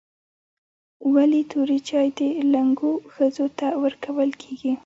ولي توري چای و لنګو ښځو ته ورکول کیږي؟